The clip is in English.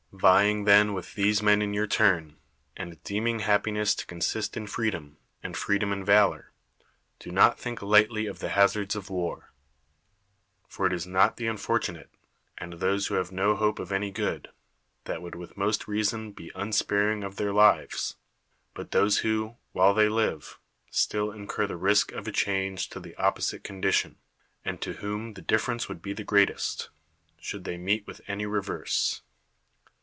Vying then with these men in your turn, and deeming happiness to consist in freedom, and freedom in valor, do not think lightly of the hazards of war. For it is not the unfortunate, [and those] who have no hope of any good, that would with most reason be unsparing of their lives; but those who, while they live, still incur the risk of a change to the opposite condition, and to whom the difference would be the great est, should they meet with any reverse.